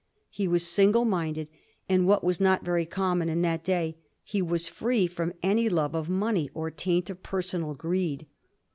He was siugle minded, tod, what was not very common in that day, he was fi ee from any love of money or taint of personal greed.